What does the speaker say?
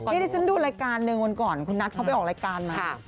นี่ที่ฉันดูรายการหนึ่งวันก่อนคุณนัทเขาไปออกรายการมา